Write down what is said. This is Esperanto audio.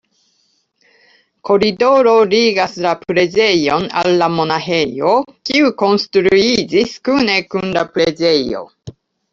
Koridoro ligas la preĝejon al la monaĥejo, kiu konstruiĝis kune kun la preĝejo.